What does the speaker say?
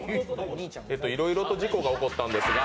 いろいろと事故が起こったんですが。